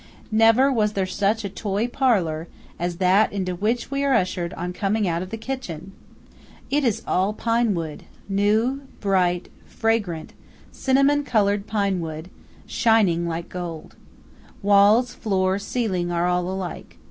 Never was there such a toy parlour as that into which we are ushered on coming out of the kitchen! It is all pine wood–new, bright, fragrant, cinnamon coloured pine wood, shining like gold. Walls, floor, ceiling are all alike.